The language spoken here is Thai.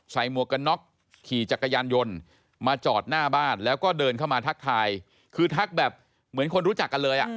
หมวกกันน็อกขี่จักรยานยนต์มาจอดหน้าบ้านแล้วก็เดินเข้ามาทักทายคือทักแบบเหมือนคนรู้จักกันเลยอ่ะ